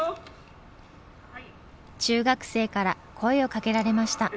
中学生から声をかけられました。